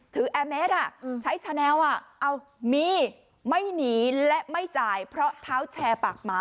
ถือแอร์แมสอ่ะใช้ชาแนลอ่ะเอ้ามีไม่หนีและไม่จ่ายเพราะเท้าแชร์ปากหมา